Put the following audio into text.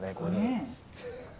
ねえ。